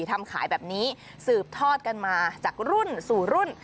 ทำขายแบบนี้สืบทอดกันมาจากรุ่นสู่รุ่น